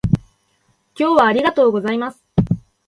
今日はありがとうございます